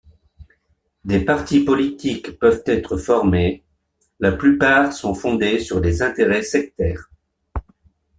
Des partis politiques peuvent être formés; la plupart sont fondées sur des intérêts sectaires.